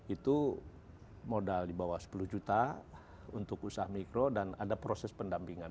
itu modal di bawah sepuluh juta untuk usaha mikro dan ada proses pendampingan